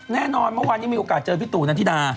แน่นอนเมื่อวานนี้มีโอกาสเจอพี่ตู่นันธิดา